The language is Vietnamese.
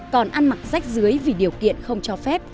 còn ăn mặc rách dưới vì điều kiện không cho phép